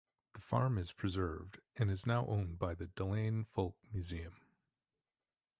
The farm is preserved and is now owned by the Dalane folk museum.